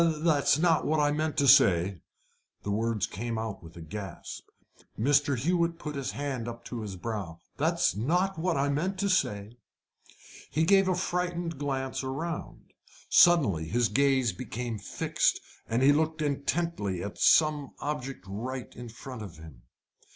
"That's not what I meant to say." The words came out with a gasp. Mr. Hewett put his hand up to his brow. "That's not what I meant to say." He gave a frightened glance around. Suddenly his gaze became fixed, and he looked intently at some object right in front of him.